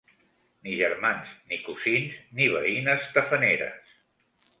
Ni germans ni cosins ni veïnes tafaneres.